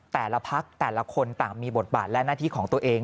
แต่ละพักแต่ละคนต่างมีบทบาทและหน้าที่ของตัวเอง